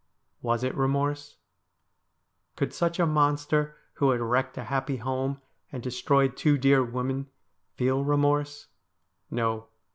Was it remorse ? Could such a monster, who had wrecked a happy home and destroyed two dear women, feel remorse ? No.